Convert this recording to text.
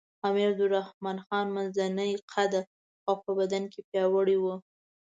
امیر عبدالرحمن خان منځنی قده او په بدن کې پیاوړی وو.